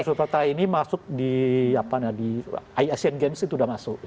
survei survei terakhir ini masuk di apa ya di asian games itu udah masuk